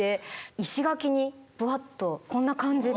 石垣にブワッとこんな感じで。